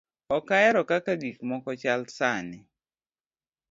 ok ahero kaka gik moko chal sani'